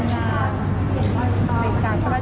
แล้วเราก็จะค่อยต้อนรับท่าน